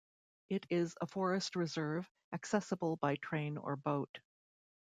It is a forest reserve, accessible by train or boat.